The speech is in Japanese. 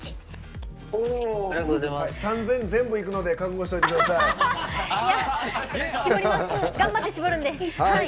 ３０００全部いくので覚悟しといてください。